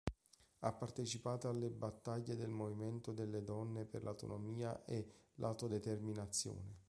Ha partecipato alle battaglie del movimento delle donne per l’autonomia e l’autodeterminazione.